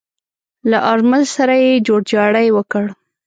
له آرمل سره يې جوړجاړی وکړ.